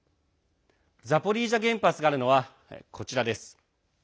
ザポリージャ原発があるのはこちらです。